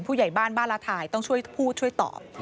ผู้ใหญ่บ้านบ้านละถ่ายต้องช่วยพูดช่วยตอบ